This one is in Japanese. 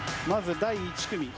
まず第１組。